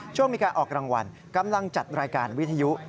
ช่วงมีการออกรางวัลกำลังจัดรายการวิทยุ